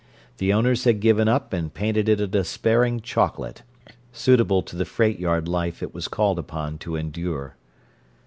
The owners had given up and painted it a despairing chocolate, suitable to the freight yard life it was called upon to endure.